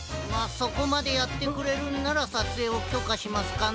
そこまでやってくれるんならさつえいをきょかしますかな。